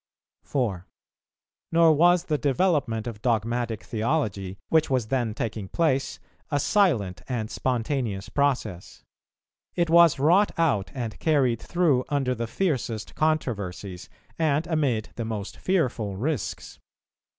4. Nor was the development of dogmatic theology, which was then taking place, a silent and spontaneous process. It was wrought out and carried through under the fiercest controversies, and amid the most fearful risks.